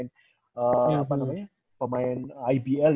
apa namanya pemain ibl